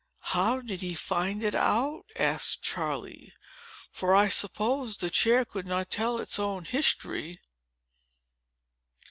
"How did he find it out?" asked Charley. "For I suppose the chair could not tell its own history."